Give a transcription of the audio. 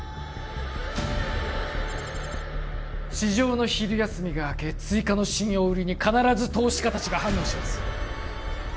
市場の昼休みが明け追加の信用売りに必ず投資家達が反応します